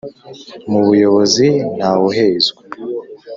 mu buyobozi ntawuhezwa